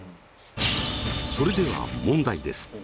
それでは問題です。